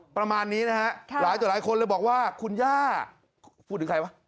ประมาณนี้นะฮะหลายต่อหลายคนเลยบอกว่าคุณย่าพูดถึงใครวะ